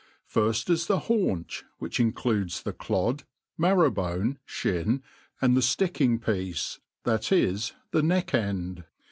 FIRST IS the haunch ; which includes the clod, marrow ^ JjQiic, ^in, and the flicking piccc^ that is the neck end.